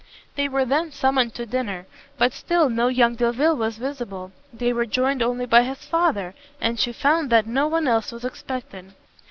They were then summoned to dinner; but still no young Delvile was visible; they were joined only by his father, and she found that no one else was expected.